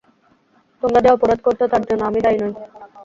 তোমরা যে অপরাধ করছ তার জন্য আমি দায়ী নই।